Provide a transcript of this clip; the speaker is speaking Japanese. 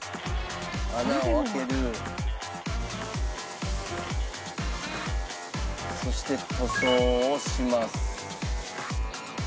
「穴を開ける」「そして塗装をします」